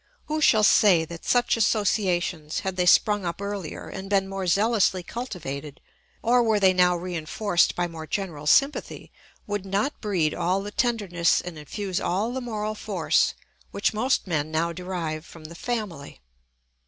Who shall say that such associations, had they sprung up earlier and been more zealously cultivated, or were they now reinforced by more general sympathy, would not breed all the tenderness and infuse all the moral force which most men now derive from the family?